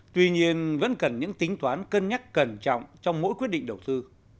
tuy nhiên vẫn cần những tính toán cân nhắc cẩn trọng trong mỗi quyết định đầu tư